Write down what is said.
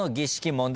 問題